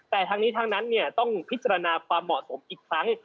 แต่ทั้งนี้ทั้งนั้นต้องพิจารณาความเหมาะสมอีกครั้ง